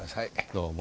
どうも。